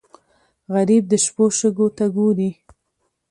غریب د شپو شګو ته ګوري